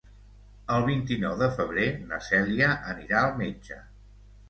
El vint-i-nou de febrer na Cèlia anirà al metge.